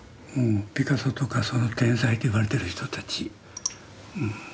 ピカソとかその天才といわれてる人たち。